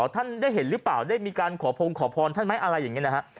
ท่านได้เห็นหรือเปล่าได้มีการขอพงขอพรท่านไหมอะไรอย่างนี้นะฮะ